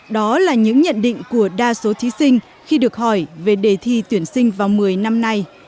đó là những nhận định của đa số thí sinh khi được hỏi về đề thi tuyển sinh vào một mươi năm nay